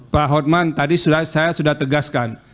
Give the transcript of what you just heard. pak hotman tadi saya sudah tegaskan